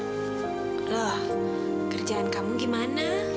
loh kerjaan kamu gimana